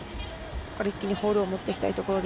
一気にフォールに持っていきたいところ。